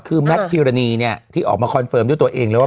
คือแมตซ์พีโนมเนี่ยที่ออกมาแก้บให้ตัวเองแล้วว่า